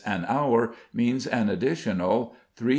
an hour means an additional £3,500.